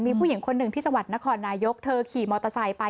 มีผู้หญิงคนหนึ่งที่จังหวัดนครนายกเธอขี่มอเตอร์ไซค์ไป